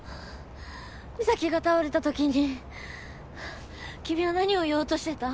美咲が倒れたときにキミは何を言おうとしてた？